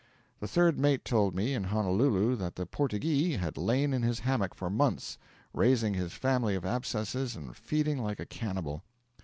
The third mate told me in Honolulu that the 'Portyghee' had lain in his hammock for months, raising his family of abscesses and feeding like a cannibal.